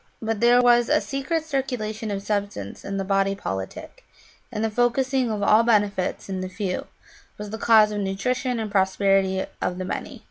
But there was a secret circulation of substance in the body politic, and the focussing of all benefits in the few was the cause of nutrition and prosperity to the many.